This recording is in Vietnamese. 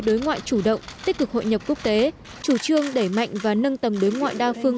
đối ngoại chủ động tích cực hội nhập quốc tế chủ trương đẩy mạnh và nâng tầm đối ngoại đa phương